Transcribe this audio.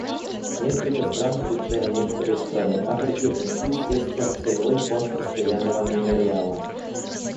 Несколько стран, включая некоторые страны Африки, внесли средства в Целевой фонд постоянного мемориала.